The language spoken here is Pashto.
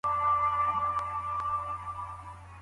څنګه د یوې موخي سره لیونی مینه انسان بریالی کوي؟